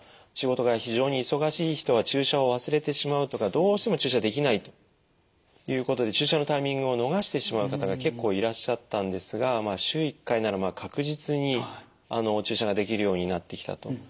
仕事が非常に忙しい人は注射を忘れてしまうとかどうしても注射できないということで注射のタイミングを逃してしまう方が結構いらっしゃったんですがまあ週１回なら確実に注射ができるようになってきたと。